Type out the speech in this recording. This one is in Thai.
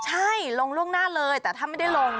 ใช่ลงล่วงหน้าเลยแต่ถ้าไม่ได้ลง